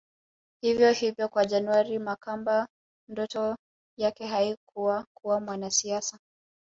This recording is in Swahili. Hivyo hivyo kwa January Makamba ndoto yake haikuwa kuwa mwanasiasa